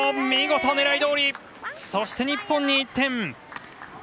見事、狙いどおり！そして日本に１点。